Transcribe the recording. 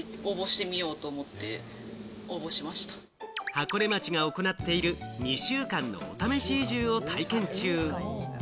箱根町が行っている２週間のお試し移住を体験中。